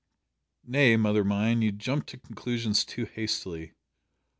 "Nay, mother mine, you jump to conclusions too hastily.